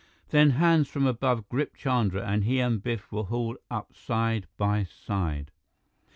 Then hands from above gripped Chandra, and he and Biff were hauled up side by side.